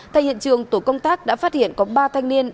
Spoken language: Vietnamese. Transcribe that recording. thay hiện trường tổ công tác đã phát hiện có ba thanh niên